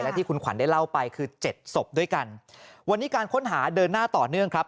ที่คุณขวัญได้เล่าไปคือเจ็ดศพด้วยกันวันนี้การค้นหาเดินหน้าต่อเนื่องครับ